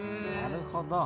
なるほど。